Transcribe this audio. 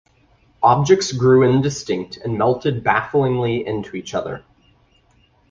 Objects grew indistinct and melted baffingly into each other.